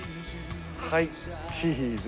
はいチーズ。